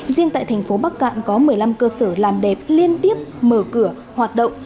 riêng tại thành phố bắc cạn có một mươi năm cơ sở làm đẹp liên tiếp mở cửa hoạt động